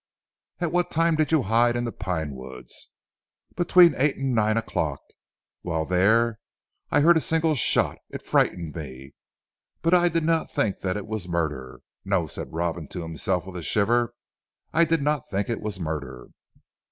"At what time did you hide in the Pine Woods?" "Between eight and nine o'clock. While there I heard a single shot. It frightened me. But I did not think that it was murder. No," said Robin to himself with a shiver, "I did not think it was murder."